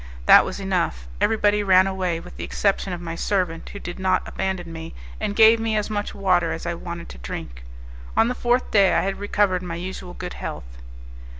That was enough; everybody ran away, with the exception of my servant, who did not abandon me, and gave me as much water as I wanted to drink. On the fourth day I had recovered my usual good health.